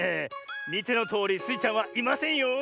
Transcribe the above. みてのとおりスイちゃんはいませんよ。